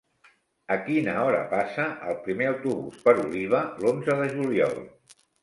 A quina hora passa el primer autobús per Oliva l'onze de juliol?